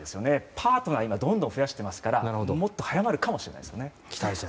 パートナーを今、どんどん増やしていますからもっと早まるかもしれないですね。